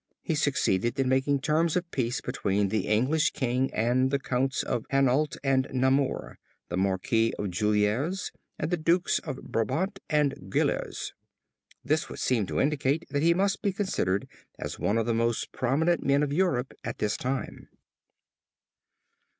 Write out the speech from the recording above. He succeeded in making terms of peace between the English king and the Counts of Hainault and Namur, the Marquis of Juliers and the Dukes of Brabant and Guelders. This would seem to indicate that he must be considered as one of the most prominent men of Europe at this time.